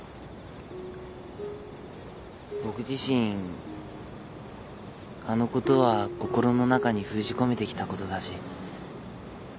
僕自身あのことは心の中に封じ込めてきたことだし。